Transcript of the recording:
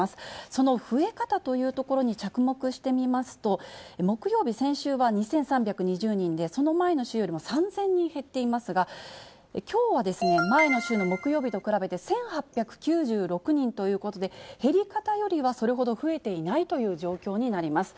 その増え方というところに着目してみますと、木曜日、先週は２３２０人で、その前の週よりも３０００人減っていますが、きょうは前の週の木曜日と比べて１８９６人ということで、減り方よりは、それほど増えていないという状況になります。